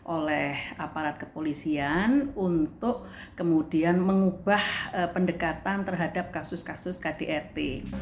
oleh aparat kepolisian untuk kemudian mengubah pendekatan terhadap kasus kasus kdrt